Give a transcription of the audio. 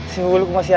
si wulu kok gak siapin